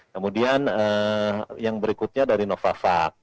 kemudian yang berikutnya dari novavak